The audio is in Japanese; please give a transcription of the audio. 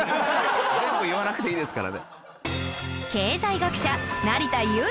全部言わなくていいですからね。